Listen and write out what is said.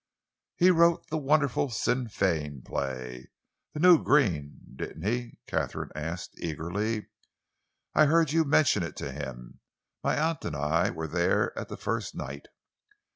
"He wrote the wonderful Sinn Fein play, 'The New Green,' didn't he?" Katharine asked eagerly. "I heard you mention it to him. My aunt and I were there at the first night."